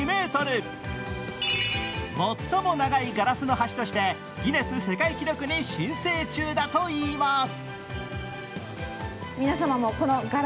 最も長いガラスの橋としてギネス世界記録に申請中といいます。